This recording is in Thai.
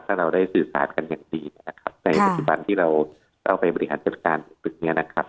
ถ้าเราได้สื่อสารกันอย่างดีนะครับในปัจจุบันที่เราต้องไปบริหารจัดการตรงจุดนี้นะครับ